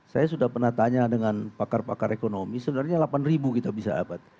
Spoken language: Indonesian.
saya sudah pernah tanya dengan pakar pakar ekonomi sebenarnya delapan ribu kita bisa dapat